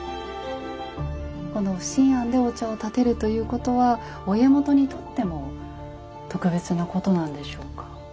この不審菴でお茶をたてるということはお家元にとっても特別なことなんでしょうか。